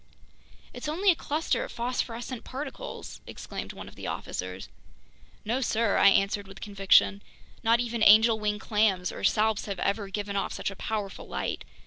"It's only a cluster of phosphorescent particles!" exclaimed one of the officers. "No, sir," I answered with conviction. "Not even angel wing clams or salps have ever given off such a powerful light.